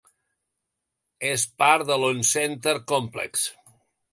És part de l'Oncenter Complex.